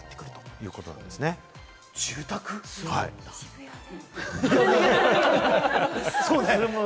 渋谷で。